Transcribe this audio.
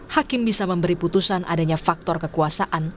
hakim bisa memberi putusan adanya faktor kekuasaan